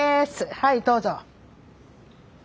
はいどうぞ。